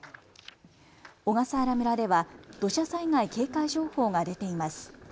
小笠原村では土砂災害警戒情報が出ています。